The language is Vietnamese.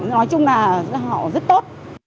nói chung là họ rất tốt